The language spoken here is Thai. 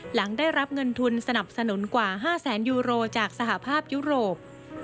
หลังได้รับเงินทุนสนับสนุนกว่า๕แสนยูโรจากสหภาพยุโรป